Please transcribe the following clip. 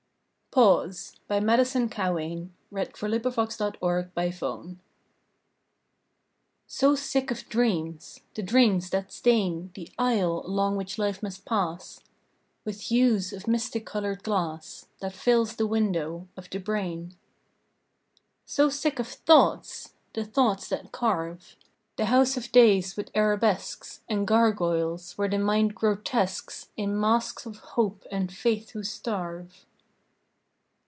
that dost may so prevail, Where spirit once could not! PAUSE. So sick of dreams! the dreams, that stain The aisle, along which life must pass, With hues of mystic colored glass, That fills the windows of the brain. So sick of thoughts! the thoughts, that carve The house of days with arabesques And gargoyles, where the mind grotesques In masks of hope and faith who starve.